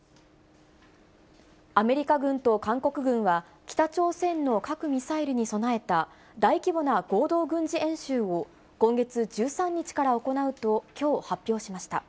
アメリカ軍と韓国軍は、北朝鮮の核・ミサイルに備えた大規模な合同軍事演習を、今月１３日から行うと、きょう発表しました。